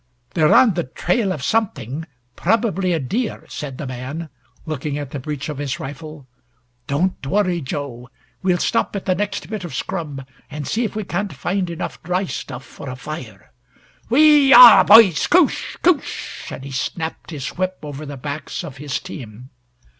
"They're on the trail of something probably a deer," said the man, looking at the breech of his rifle. "Don't worry, Jo. We'll stop at the next bit of scrub and see if we can't find enough dry stuff for a fire. Wee ah h h h, boys! Koosh koosh " and he snapped his whip over the backs of his team.